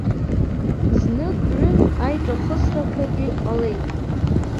Знык-ҩынтә аиҿахысрақәагьы ҟалеит.